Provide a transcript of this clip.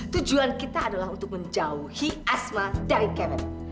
tujuan kita adalah untuk menjauhi asma dari kevin